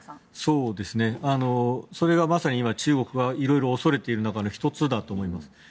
それがまさに今中国が色々恐れている中の１つだと思います。